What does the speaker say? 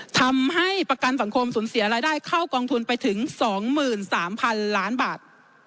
ทำให้ประกันสังคมสูญเสียรายได้เข้ากองทุนไปถึง๒๓๐๐๐ล้านบาท